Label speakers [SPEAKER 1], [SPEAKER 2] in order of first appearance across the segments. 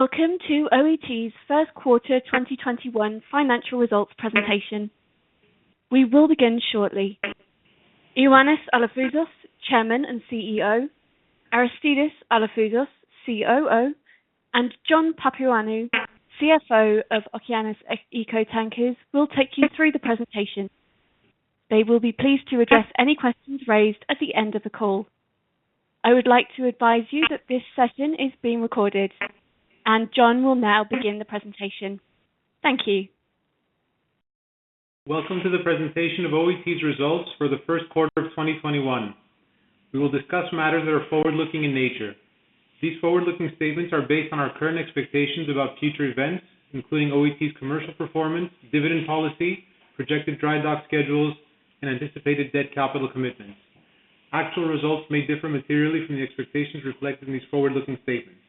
[SPEAKER 1] Welcome to OET's first quarter 2021 financial results presentation. We will begin shortly. Ioannis Alafouzos, Chairman and CEO, Aristidis Alafouzos, COO, and John Papaioannou, CFO of Okeanis Eco Tankers will take you through the presentation. They will be pleased to address any questions raised at the end of the call. I would like to advise you that this session is being recorded. John will now begin the presentation. Thank you.
[SPEAKER 2] Welcome to the presentation of OET's results for the first quarter of 2021. We will discuss matters that are forward-looking in nature. These forward-looking statements are based on our current expectations about future events, including OET's commercial performance, dividend policy, projected dry dock schedules, and anticipated debt capital commitments. Actual results may differ materially from the expectations reflected in these forward-looking statements.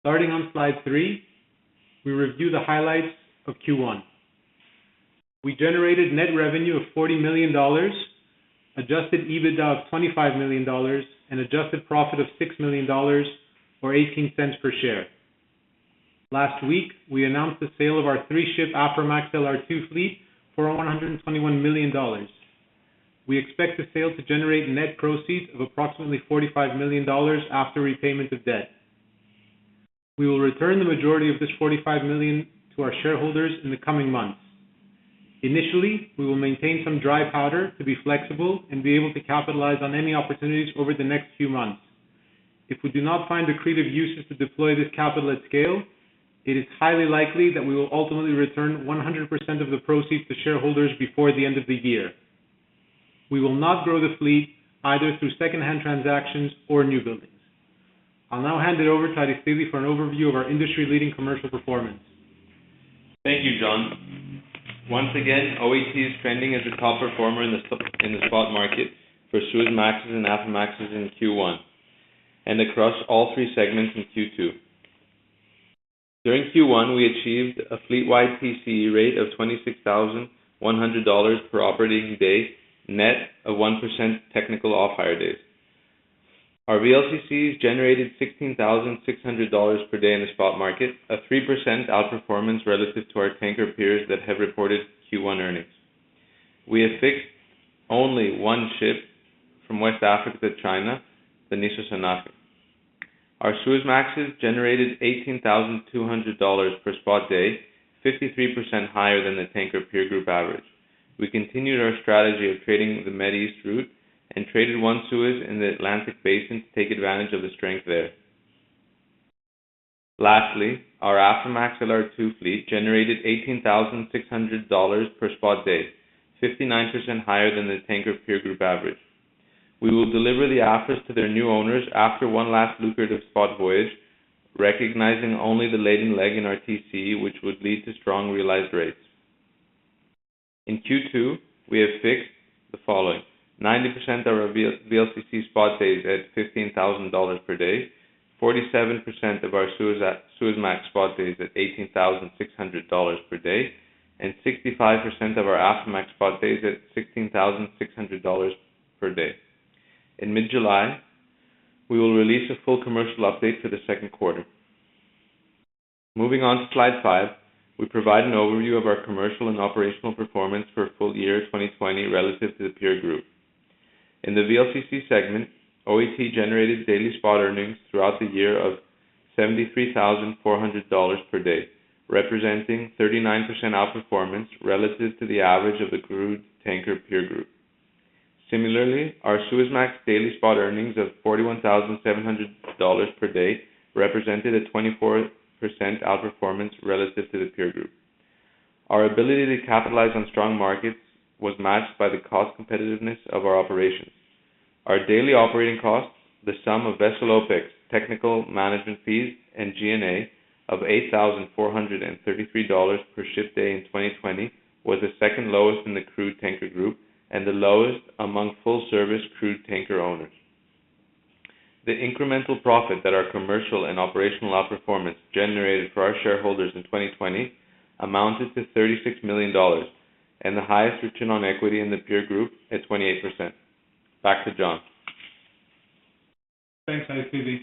[SPEAKER 2] Starting on slide three, we review the highlights of Q1. We generated net revenue of $40 million, adjusted EBITDA of $25 million, and Adjusted profit of $6 million, or $0.18 per share. Last week, we announced the sale of our three-ship Aframax LR2 fleet for $121 million. We expect the sale to generate net proceeds of approximately $45 million after repayment of debt. We will return the majority of this $45 million to our shareholders in the coming months. Initially, we will maintain some dry powder to be flexible and be able to capitalize on any opportunities over the next few months. If we do not find accretive uses to deploy this capital at scale, it is highly likely that we will ultimately return 100% of the proceeds to shareholders before the end of the year. We will not grow the fleet, either through secondhand transactions or new buildings. I'll now hand it over to Aristidis for an overview of our industry-leading commercial performance.
[SPEAKER 3] Thank you, John. Once again, OET is trending as a top performer in the spot market for Suezmaxes and Aframaxes in Q1, and across all three segments in Q2. During Q1, we achieved a fleet-wide TC rate of $26,100 per operating day, net of 1% technical off-hire days. Our VLCCs generated $16,600 per day in the spot market, a 3% outperformance relative to our tanker peers that have reported Q1 earnings. We have fixed only one ship from West Africa to China, the Nissos Anatoli. Our Suezmaxes generated $18,200 per spot day, 53% higher than the tanker peer group average. We continued our strategy of trading the Mid East route and traded one Suez in the Atlantic Basin to take advantage of the strength there. Lastly, our Aframax LR2 fleet generated $18,600 per spot day, 59% higher than the tanker peer group average. We will deliver the Aframaxes to their new owners after one last lucrative spot voyage, recognizing only the laden leg in our TC, which would lead to strong realized rates. In Q2, we have fixed the following: 90% of our VLCC spot days at $15,000 per day, 47% of our Suezmax spot days at $18,600 per day, and 65% of our Aframax spot days at $16,600 per day. In mid-July, we will release a full commercial update for the second quarter. Moving on to slide five, we provide an overview of our commercial and operational performance for full year 2020 relative to the peer group. In the VLCC segment, OET generated daily spot earnings throughout the year of $73,400 per day, representing 39% outperformance relative to the average of the crude tanker peer group. Similarly, our Suezmax daily spot earnings of $41,700 per day represented a 24% outperformance relative to the peer group. Our ability to capitalize on strong markets was matched by the cost competitiveness of our operations. Our daily operating costs, the sum of vessel OPEX, technical management fees, and G&A of $8,433 per ship day in 2020, was the second lowest in the crude tanker group and the lowest among full-service crude tanker owners. The incremental profit that our commercial and operational outperformance generated for our shareholders in 2020 amounted to $36 million, and the highest return on equity in the peer group at 28%. Back to John.
[SPEAKER 2] Thanks, Aristidis.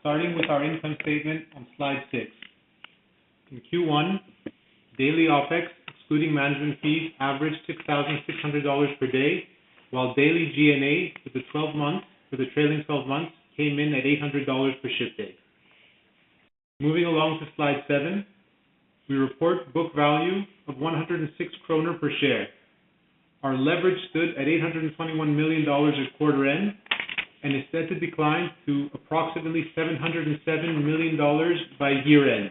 [SPEAKER 2] Starting with our income statement on slide six. In Q1, daily OPEX, excluding management fees, averaged $6,600 per day, while daily G&A for the trailing 12 months came in at $800 per ship day. Moving along to slide seven, we report book value of 106 kroner per share. Our leverage stood at $821 million at quarter end and is set to decline to approximately $707 million by year-end.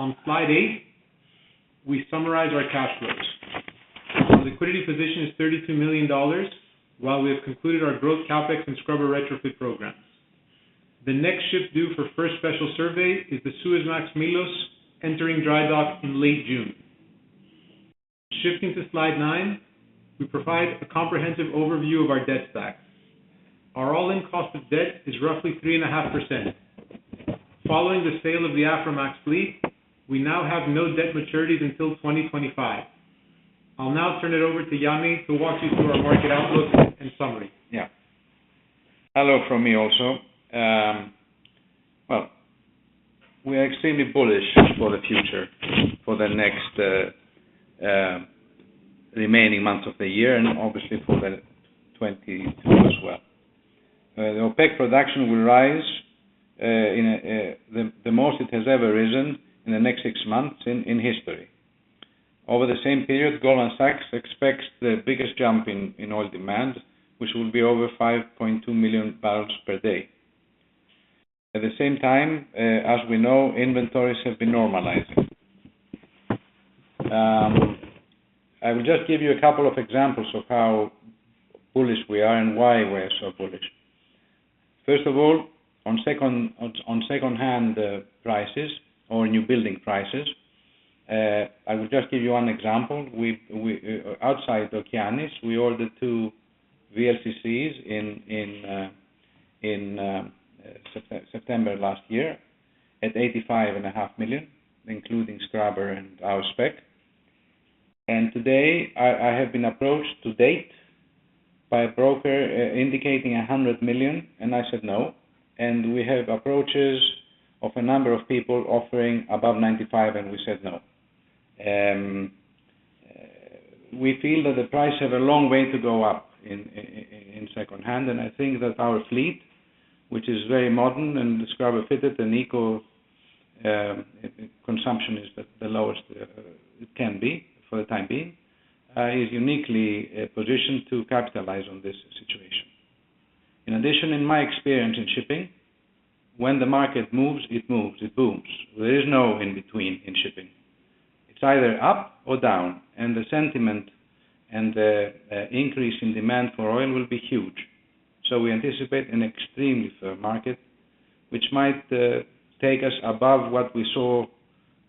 [SPEAKER 2] On slide eight, we summarize our cash flows. Our liquidity position is $32 million, while we have concluded our growth CapEx and scrubber retrofit programs. The next ship due for first special survey is the Suezmax Milos, entering dry dock in late June. Shifting to slide nine, we provide a comprehensive overview of our debt stack. Our all-in cost of debt is roughly 3.5%. Following the sale of the Aframax fleet, we now have no debt maturities until 2025. I'll now turn it over to Ioannis Alafouzos, who walks you through our market outlook and summary.
[SPEAKER 4] Hello from me also. Well, we are extremely bullish for the future, for the next remaining months of the year, and obviously for 2022 as well. The OPEC production will rise the most it has ever risen in the next six months in history. Over the same period, Goldman Sachs expects the biggest jump in oil demand, which will be over 5.2 million barrels per day. At the same time, as we know, inventories have been normalizing. I will just give you a couple of examples of how bullish we are and why we are so bullish. First of all, on secondhand prices or new building prices, I will just give you one example. Outside Okeanis, we ordered two VLCCs in September last year at $85.5 million, including scrubber and our spec. Today, I have been approached to date by a broker indicating $100 million, and I said no. We have approaches of a number of people offering above $95, and we said no. We feel that the price has a long way to go up in secondhand, and I think that our fleet, which is very modern and scrubber-fitted, and eco consumption is the lowest it can be for the time being, is uniquely positioned to capitalize on this situation. In addition, in my experience in shipping, when the market moves, it moves, it booms. There is no in between in shipping. It's either up or down, and the sentiment and the increase in demand for oil will be huge. We anticipate an extremely firm market, which might take us above what we saw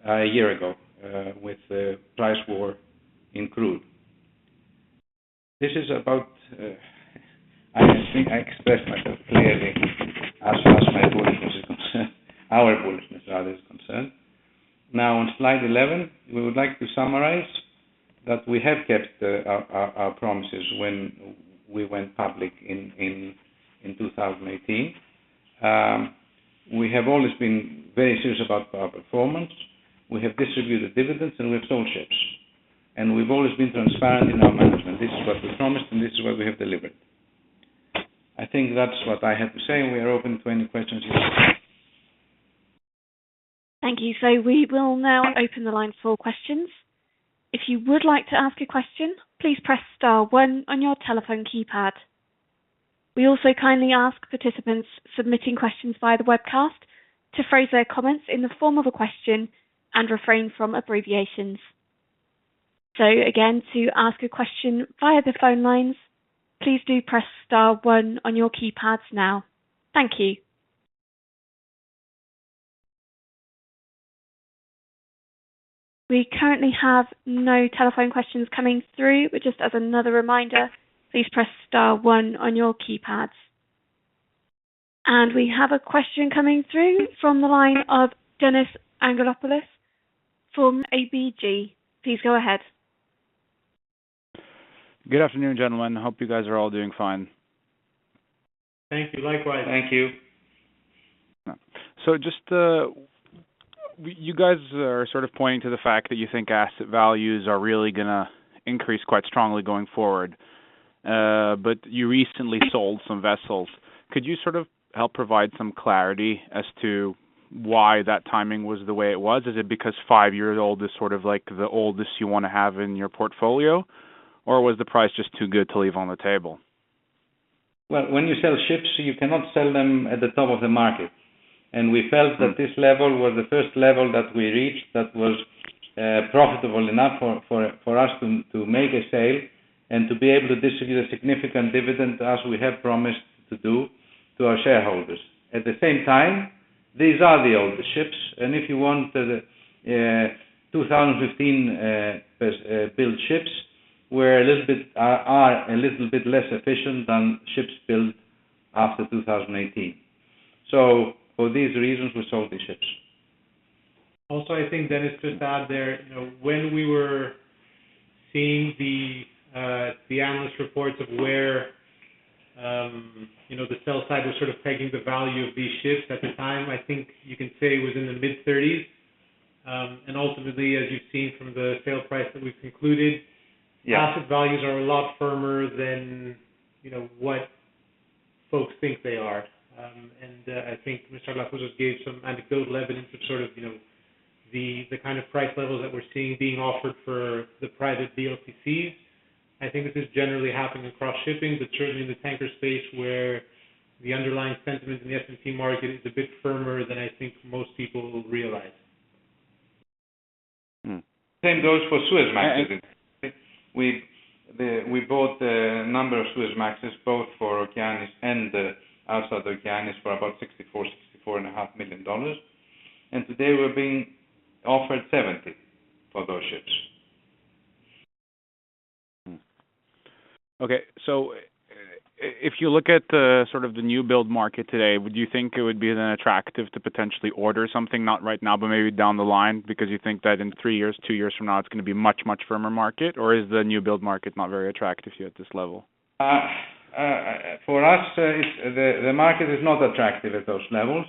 [SPEAKER 4] a year ago with the price war in crude. I think I expressed myself clearly as far as my bullishness is concerned, our bullishness rather is concerned. On slide 11, we would like to summarize that we have kept our promises when we went public in 2018. We have always been very serious about our performance. We have distributed dividends, and we have sold ships. We've always been transparent in our management. This is what we promised, and this is what we have delivered. I think that's what I have to say, and we are open to any questions you have.
[SPEAKER 1] Thank you. We will now open the line for questions. If you would like to ask a question, please press star one on your telephone keypad. We also kindly ask participants submitting questions via the webcast to phrase their comments in the form of a question and refrain from abbreviations. Again, to ask a question via the phone lines, please do press star one on your keypads now. Thank you. We currently have no telephone questions coming through. Just as another reminder, please press star one on your keypads. We have a question coming through from the line of Dennis Angelopoulos from ABG. Please go ahead.
[SPEAKER 5] Good afternoon, gentlemen. Hope you guys are all doing fine.
[SPEAKER 2] Thank you. Likewise. Thank you.
[SPEAKER 5] Just you guys are sort of pointing to the fact that you think asset values are really going to increase quite strongly going forward. You recently sold some vessels. Could you sort of help provide some clarity as to why that timing was the way it was? Is it because five years old is sort of the oldest you want to have in your portfolio? Was the price just too good to leave on the table?
[SPEAKER 4] Well, when you sell ships, you cannot sell them at the top of the market. We felt that this level was the first level that we reached that was profitable enough for us to make a sale and to be able to distribute a significant dividend as we have promised to do to our shareholders. At the same time, these are the older ships, and if you want the 2015-built ships were a little bit less efficient than ships built after 2018. For these reasons, we sold these ships.
[SPEAKER 2] I think, Dennis, just to add there, when we were seeing the analyst reports of where the sell side was sort of pegging the value of these ships at the time, I think you can say it was in the mid-30s. Ultimately, as you've seen from the sale price that we've concluded.
[SPEAKER 4] Yeah
[SPEAKER 2] Asset values are a lot firmer than what folks think they are. I think Mr. Alafouzos gave some anecdotal evidence of sort of the kind of price levels that we're seeing being offered for the private VLCCs. I think this is generally happening across shipping, but certainly in the tanker space where the underlying sentiment in the S&P market is a bit firmer than I think most people realize.
[SPEAKER 4] Same goes for Suezmax, isn't it? We bought a number of Suezmaxes both for Okeanis and outside Okeanis for about $64, $64.5 million. Today we're being offered $70 million for those ships.
[SPEAKER 5] Okay. If you look at the new build market today, would you think it would be then attractive to potentially order something, not right now, but maybe down the line because you think that in three years, two years from now, it's going to be much, much firmer market? Or is the new build market not very attractive to you at this level?
[SPEAKER 4] For us, the market is not attractive at those levels.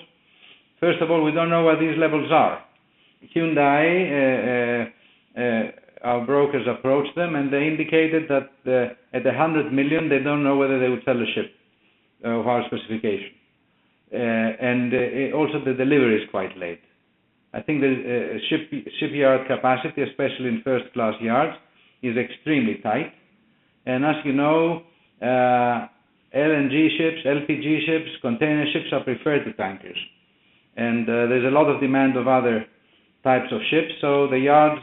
[SPEAKER 4] First of all, we don't know where these levels are. Hyundai, our brokers approached them. They indicated that at $100 million, they don't know whether they would sell a ship of our specification. Also the delivery is quite late. I think the shipyard capacity, especially in first-class yards, is extremely tight. As you know, LNG ships, LPG ships, container ships are preferred to tankers. There's a lot of demand of other types of ships. The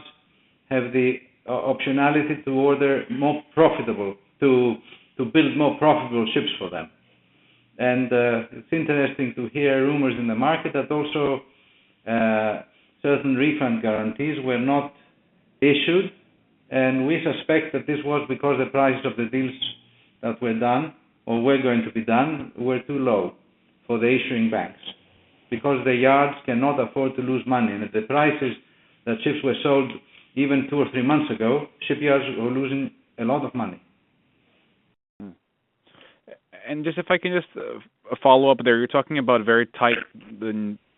[SPEAKER 4] yards have the optionality to build more profitable ships for them. It's interesting to hear rumors in the market that also certain refund guarantees were not issued, and we suspect that this was because the price of the deals that were done or were going to be done were too low for the issuing banks because the yards cannot afford to lose money. At the prices that ships were sold, even two or three months ago, shipyards were losing a lot of money.
[SPEAKER 5] Just if I can just follow up there, you're talking about very tight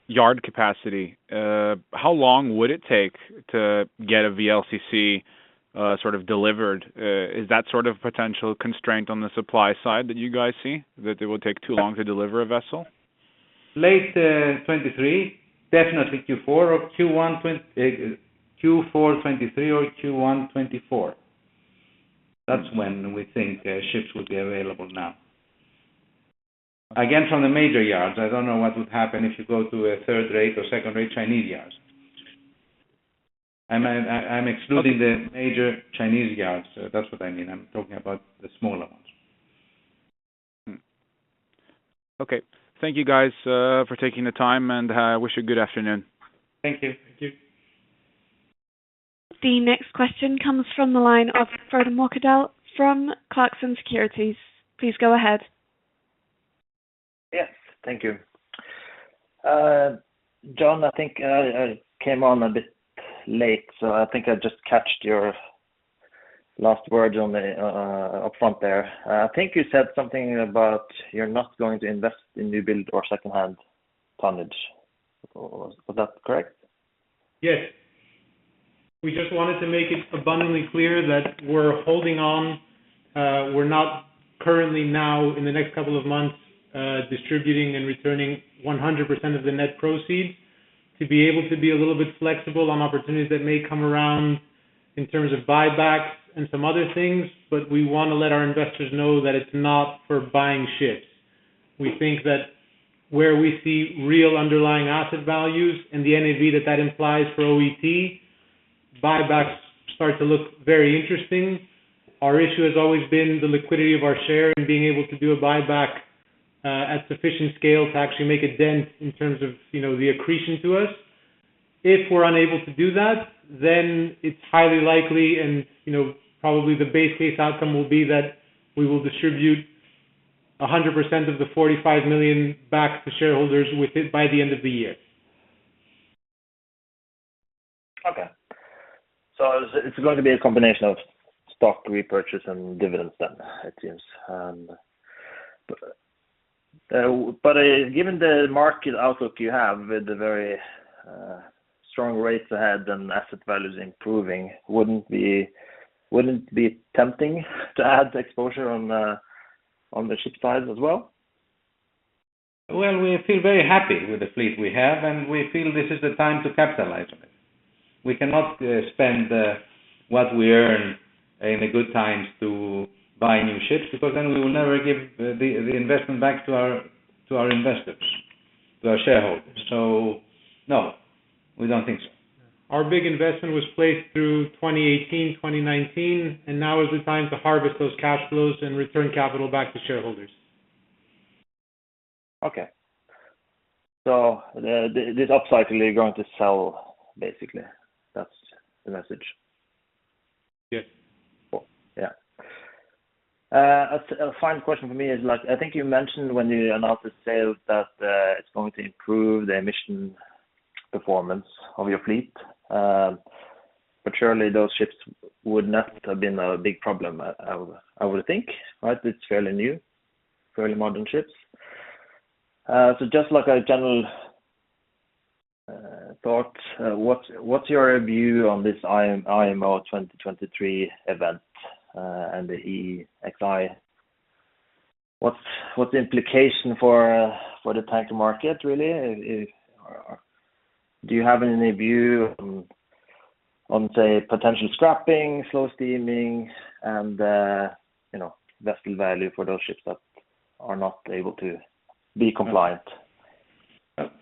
[SPEAKER 5] yard capacity. How long would it take to get a VLCC sort of delivered? Is that sort of potential constraint on the supply side that you guys see that it will take too long to deliver a vessel?
[SPEAKER 4] Late 2023, definitely Q4 or Q1. Q4 2023 or Q1 2024. That's when we think ships will be available now. Again, from the major yards. I don't know what would happen if you go to a third-rate or second-rate Chinese yards. I'm excluding the major Chinese yards. That's what I mean. I'm talking about the smaller ones.
[SPEAKER 5] Okay. Thank you guys for taking the time, and I wish you a good afternoon.
[SPEAKER 4] Thank you.
[SPEAKER 2] Thank you.
[SPEAKER 1] The next question comes from the line of Frode Mørkedal from Clarksons Securities. Please go ahead.
[SPEAKER 2] Yes. Thank you. John, I think I came on a bit late, so I think I just caught your last word up front there. I think you said something about you're not going to invest in new build or second-hand tonnage. Was that correct? Yes. We just wanted to make it abundantly clear that we're holding on. We're not currently now in the next couple of months distributing and returning 100% of the net proceeds to be able to be a little bit flexible on opportunities that may come around in terms of buybacks and some other things. We want to let our investors know that it's not for buying ships. We think that where we see real underlying asset values and the NAV that that implies for OET, buybacks start to look very interesting.
[SPEAKER 6] Our issue has always been the liquidity of our share and being able to do a buyback at sufficient scale to actually make a dent in terms of the accretion to us. If we're unable to do that, then it's highly likely and probably the base case outcome will be that we will distribute 100% of the $45 million back to shareholders with it by the end of the year. Okay. It's going to be a combination of stock repurchase and dividends then, it seems. Given the market outlook you have with the very strong rates ahead and asset values improving, wouldn't it be tempting to add exposure on the ship side as well?
[SPEAKER 4] Well, we feel very happy with the fleet we have, and we feel this is the time to capitalize on it. We cannot spend what we earn in the good times to buy new ships because then we will never give the investment back to our investors, to our shareholders. No, we don't think so.
[SPEAKER 6] Our big investment was placed through 2018, 2019, and now is the time to harvest those cash flows and return capital back to shareholders.
[SPEAKER 2] Okay. This upcycling going to sell, basically. That's the message.
[SPEAKER 4] Yes.
[SPEAKER 6] Cool. Yeah. A final question for me is, I think you mentioned when you announced the sale that it's going to improve the emission performance of your fleet. Surely those ships would not have been a big problem, I would think, right? It's fairly new, fairly modern ships. Just like a general thought, what's your view on this IMO 2023 event and the EEXI? What's the implication for the tanker market, really? Do you have any view on, say, potential scrapping, slow steaming and, vessel value for those ships that are not able to be compliant?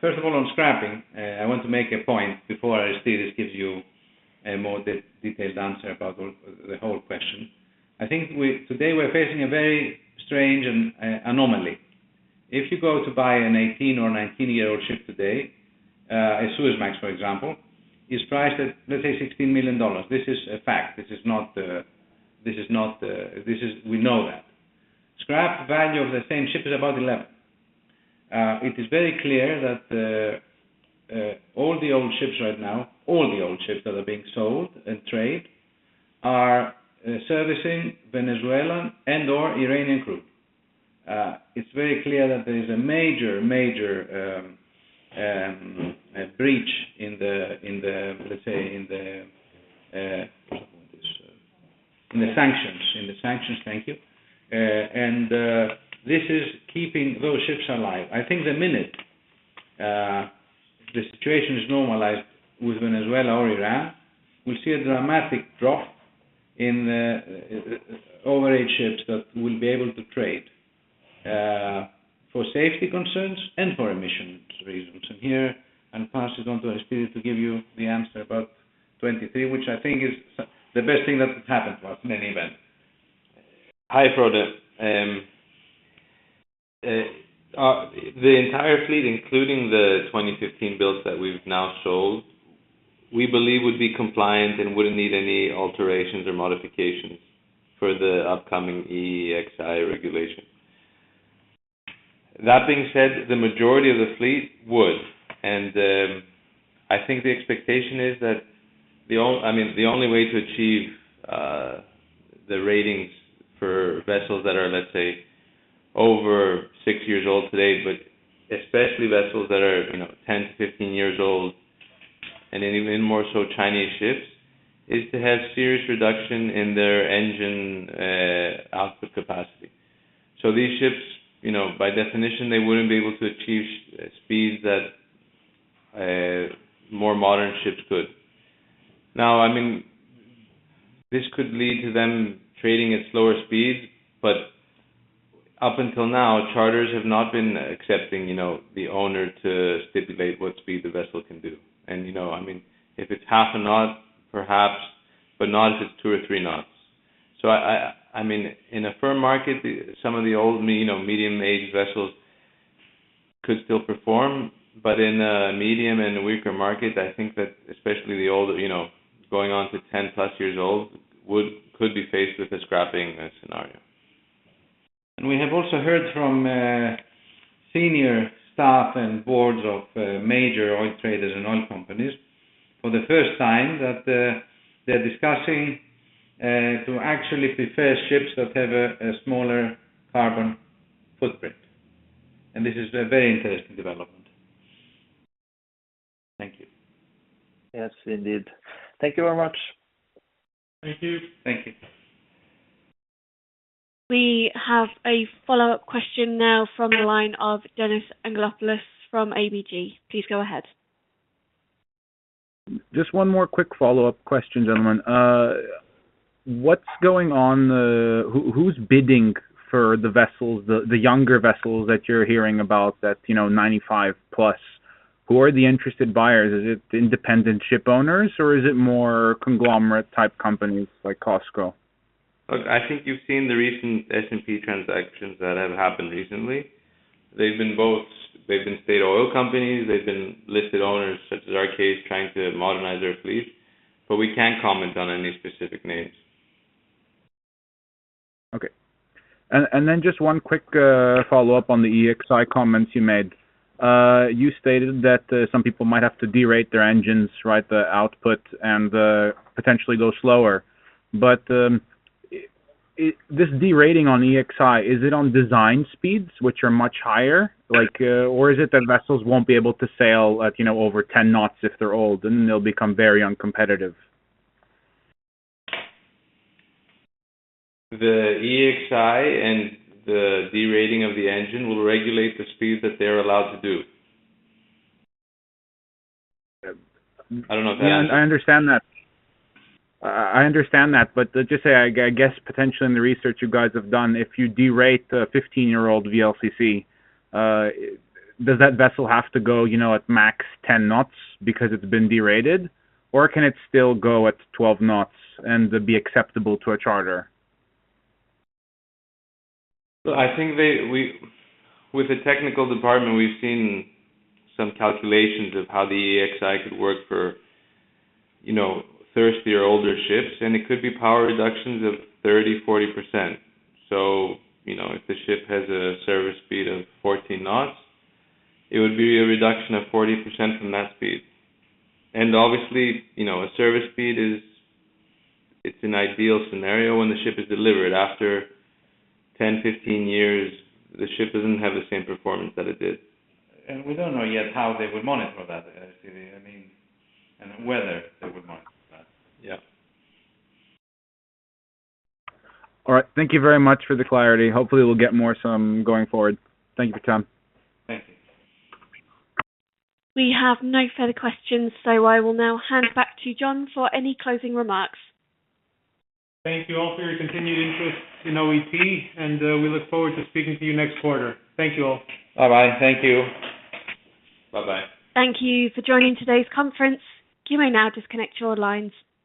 [SPEAKER 4] First of all, on scrapping, I want to make a point before Aristidis gives you a more detailed answer about the whole question. I think today we're facing a very strange anomaly. If you go to buy an 18 or 19-year-old ship today, a Suezmax, for example, it's priced at, let's say, $16 million. This is a fact. We know that. Scrap value of the same ship is about $11 million. It is very clear that all the old ships right now, all the old ships that are being sold and trade, are servicing Venezuela and/or Iranian crude. It's very clear that there is a major breach in the, let's say, in the sanctions. Thank you. This is keeping those ships alive. I think the minute the situation is normalized with Venezuela or Iran, we'll see a dramatic drop in the over-age ships that will be able to trade for safety concerns and for emissions reasons. Here, I'll pass it on to Aristidis Alafouzos to give you the answer about 2023, which I think is the best thing that could happen to us in any event.
[SPEAKER 3] Hi, Frode. The entire fleet, including the 2015 builds that we've now sold, we believe would be compliant and wouldn't need any alterations or modifications for the upcoming EEXI regulation. That being said, the majority of the fleet would, and I think the expectation is that the only way to achieve the ratings for vessels that are, let's say, over six years old today, but especially vessels that are 10 to 15 years old, and even more so Chinese ships, is to have serious reduction in their engine output capacity. These ships, by definition, they wouldn't be able to achieve speeds that more modern ships could. This could lead to them trading at slower speeds, but up until now, charters have not been accepting the owner to stipulate what speed the vessel can do. If it's half a knot, perhaps, but not if it's two or three knots. In a firm market, some of the old, medium-age vessels could still perform, but in a medium and weaker market, I think that, especially the old, going on to 10-plus years old, could be faced with a scrapping scenario.
[SPEAKER 4] We have also heard from senior staff and boards of major oil traders and oil companies for the first time that they're discussing to actually prefer ships that have a smaller carbon footprint. This is a very interesting development. Thank you. Yes, indeed. Thank you very much.
[SPEAKER 2] Thank you.
[SPEAKER 3] Thank you.
[SPEAKER 1] We have a follow-up question now from the line of Dennis Angelopoulos from ABG. Please go ahead.
[SPEAKER 5] Just one more quick follow-up question, gentlemen. What's going on? Who's bidding for the vessels, the younger vessels that you're hearing about that, 95-plus? Who are the interested buyers? Is it independent ship owners, or is it more conglomerate-type companies like COSCO?
[SPEAKER 3] Look, I think you've seen the recent S&P transactions that have happened recently. They've been both. They've been state oil companies. They've been listed owners, such as our case, trying to modernize their fleet. We can't comment on any specific names.
[SPEAKER 5] Okay. Just one quick follow-up on the EEXI comments you made. You stated that some people might have to de-rate their engines, right, the output, and potentially go slower. This de-rating on EEXI, is it on design speeds, which are much higher? Is it that vessels won't be able to sail over 10 knots if they're old, and then they'll become very uncompetitive?
[SPEAKER 3] The EEXI and the de-rating of the engine will regulate the speeds that they're allowed to do. I don't know if that answers-
[SPEAKER 5] Yeah, I understand that. I understand that. Just, I guess, potentially in the research you guys have done, if you de-rate a 15-year-old VLCC, does that vessel have to go at max 10 knots because it's been de-rated? Can it still go at 12 knots and be acceptable to a charter?
[SPEAKER 3] I think with the technical department, we've seen some calculations of how the EEXI could work for thirstier, older ships, and it could be power reductions of 30%, 40%. If the ship has a service speed of 14 knots, it would be a reduction of 40% from that speed. Obviously, a service speed is an ideal scenario when the ship is delivered. After 10, 15 years, the ship doesn't have the same performance that it did.
[SPEAKER 4] We don't know yet how they would monitor that, Aristidis. I mean, and whether they would monitor that. Yeah. All right. Thank you very much for the clarity. Hopefully, we'll get more some going forward. Thank you, John.
[SPEAKER 3] Thank you.
[SPEAKER 1] We have no further questions, so I will now hand back to John for any closing remarks.
[SPEAKER 2] Thank you all for your continued interest in OET, and we look forward to speaking to you next quarter. Thank you all.
[SPEAKER 4] Bye-bye. Thank you.
[SPEAKER 3] Bye-bye.
[SPEAKER 1] Thank you for joining today's conference. You may now disconnect your lines.